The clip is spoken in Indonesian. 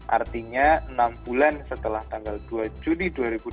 artinya enam bulan setelah tanggal dua juni dua ribu dua puluh